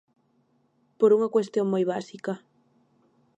Por unha cuestión moi básica.